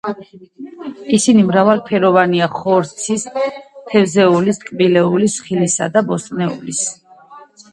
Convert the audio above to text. ისინი მრავალფეროვანია: ხორცის, თევზეულის, ტკბილეულის, ხილისა და ბოსტნეულის.